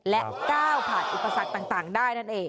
และก้าวผ่านอุปสรรคต่างได้นั่นเอง